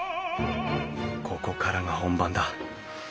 ここからが本番だ。